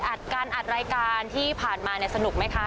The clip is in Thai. อัดรายการที่ผ่านมาสนุกไหมคะ